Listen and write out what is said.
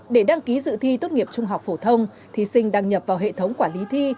để đăng ký dự thi tốt nghiệp trung học phổ thông thí sinh đăng nhập vào hệ thống quản lý thi